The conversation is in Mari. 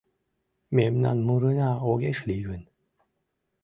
Мемнан мурына огеш лий гын